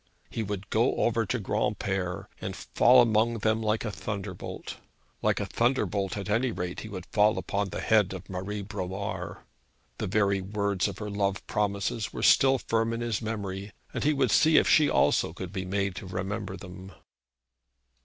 He would go over to Granpere, and fall among them like a thunderbolt. Like a thunderbolt, at any rate, he would fall upon the head of Marie Bromar. The very words of her love promises were still firm in his memory, and he would see if she also could be made to remember them.